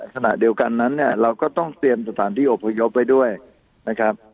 ขณะเดียวกันนั้นเนี่ยเราก็ต้องเตรียมสถานที่อบพยพไว้ด้วยนะครับ